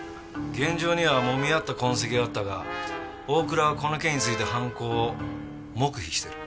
現場にはもみ合った痕跡があったが大倉はこの件について犯行を黙秘してる。